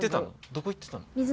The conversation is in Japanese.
どこ行ってたの？